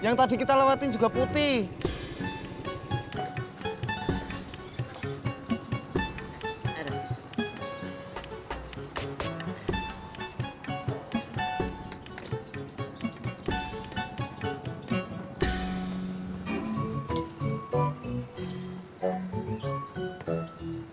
yang tadi kita lewatin juga putih